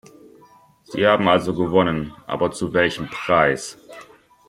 Sie haben also gewonnen, aber zu welchem Preis!